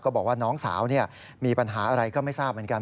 บอกว่าน้องสาวมีปัญหาอะไรก็ไม่ทราบเหมือนกัน